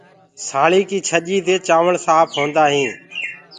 سآݪينٚ ڪي ڇڃي دي چآوݪ سآڦ هوندآ هينٚ۔